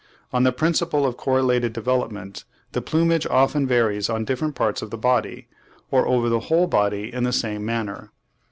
On the principle of correlated development, the plumage often varies on different parts of the body, or over the whole body, in the same manner.